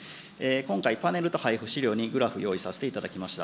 今回、パネルと配付資料に、グラフ、用意させていただきました。